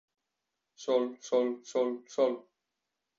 Sol, sol, sol, sol!